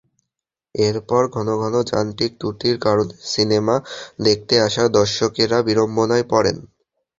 এরপর ঘনঘন যান্ত্রিক ত্রুটির কারণে সিনেমা দেখতে আসা দর্শকেরা বিড়ম্বনায় পড়েন।